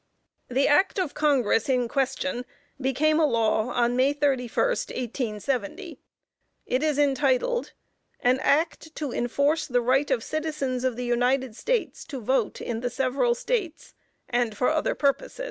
The Act of Congress in question, became a law on May 31st, 1870. It is entitled "AN ACT TO ENFORCE THE RIGHT OF CITIZENS OF THE UNITED STATES TO VOTE IN THE SEVERAL STATES, AND FOR OTHER PURPOSE."